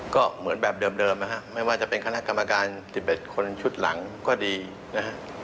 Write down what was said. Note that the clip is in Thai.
ก็เหมือนแบบเดิมนะฮะไม่ว่าจะเป็นคณะกรรมการ๑๑คนชุดหลังก็ดีนะฮะ